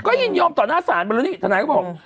ก็ยืนยอมต่อนาสารไปแล้วนี่ธนายก็บอก